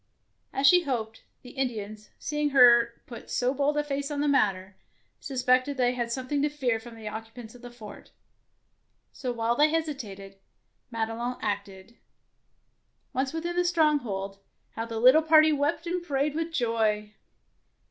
As she hoped, the Indians, seeing her put so bold a face on the matter, sus pected that they had something to fear from the occupants of the fort; so, while they hesitated, Madelon acted. Once within the stronghold, how the little party wept and prayed with joy!